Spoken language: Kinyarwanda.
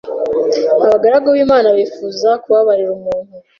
abagaragu b’Imana bifuza kubabarira umuntu